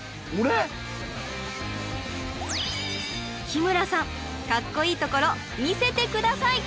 日村さんかっこいいところ見せて下さい！